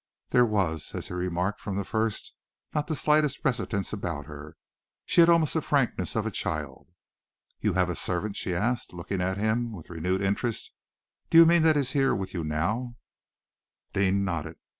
There was, as he had remarked from the first, not the slightest reticence about her. She had almost the frankness of a child. "You have a servant?" she asked, looking at him with renewed interest. "Do you mean that he is there with you now?" Deane nodded.